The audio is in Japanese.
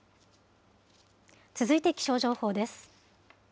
続いて気象情報です。